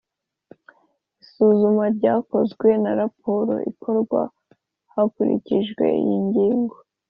Isuzuma ryakozwe na raporo ikorwa hakurikijwe iyi ngingo